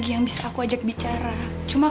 jangan quran attitude